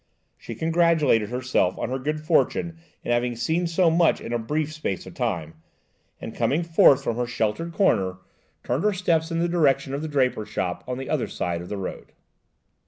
She congratulated herself on her good fortune in having seen so much in such a brief space of time, and coming forth from her sheltered corner turned her steps in the direction of the draper's shop on the other side of the road.